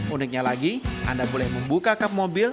uniknya lagi anda boleh membuka kap mobil